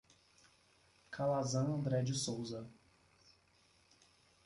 Calazam André de Sousa